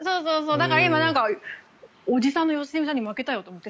だから今おじさんの良純さんに負けたよと思って。